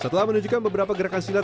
setelah menunjukkan beberapa gerakan silat